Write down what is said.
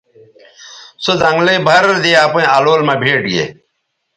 سو زنگلئ بَھر دے اپئیں الول مہ بھیٹ گے